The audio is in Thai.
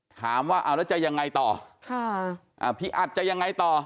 ถามว่าเอาแล้วจะยังไงต่อพิอัตรจะยังไงต่อ